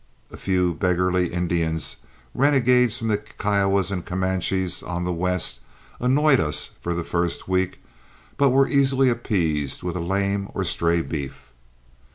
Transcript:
A few beggarly Indians, renegades from the Kiowas and Comanches on the west, annoyed us for the first week, but were easily appeased with a lame or stray beef.